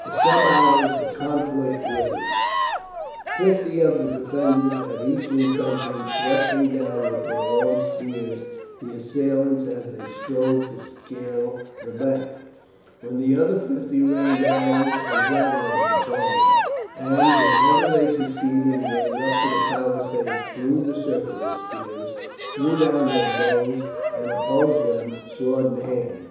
For some hours the conflict raged, fifty of the defenders at each intrenchment thrusting down with their long spears the assailants as they strove to scale the bank, while the other fifty rained arrows and javelins upon them; and whenever they succeeded in getting up to the palisade through the circle of the spears, threw down their bows and opposed them sword in hand.